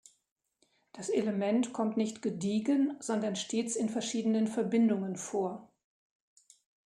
Das Element kommt nicht gediegen, sondern stets in verschiedenen Verbindungen vor.